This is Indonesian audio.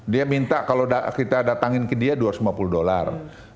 dia minta kalau kita datangin ke dia dua ratus lima puluh dolar